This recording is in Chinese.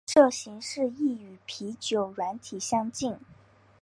这形式亦与啤酒软体相近。